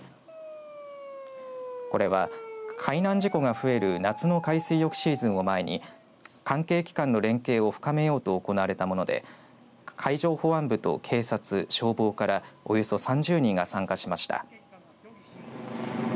これは、海難事故が増える夏の海水浴シーズンを前に関係機関の連携を深めようと行われたもので海上保安部と警察消防からおよそ３０人が参加しました。